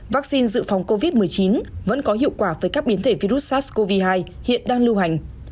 vaccine dự phòng covid một mươi chín vẫn có hiệu quả với các biến thể virus sars cov hai hiện đang lưu hành